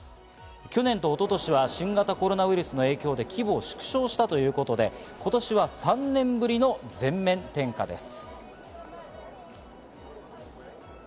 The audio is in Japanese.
去年と一昨年は新型コロナウイルスの影響で規模を縮小したということで、今年は３年ぶりの全面点火です。